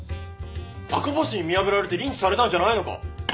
赤星に見破られてリンチされたんじゃないのか？